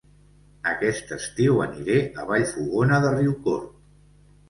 Aquest estiu aniré a Vallfogona de Riucorb